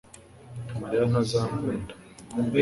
Mariya ntazankunda